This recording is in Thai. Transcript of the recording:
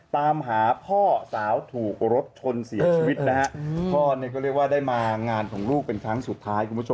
ตามหาพ่อสาวถูกรดทนเสียชีวิตพ่อได้มางานของลูกเป็นครั้งสุดท้าย